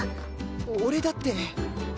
俺だって。